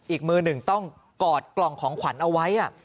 อีกมือหนึ่งต้องกอดกล่องของขวัญเอาไว้